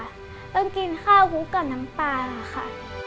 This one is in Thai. ต้องกินข้าวคุกกับน้ำปลานะคะ